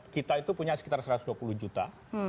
kita itu punya sekitar satu ratus dua puluh juta